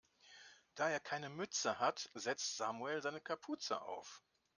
Da er keine Mütze hat, setzt Samuel seine Kapuze auf.